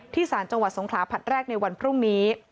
สารจังหวัดสงขลาผลัดแรกในวันพรุ่งนี้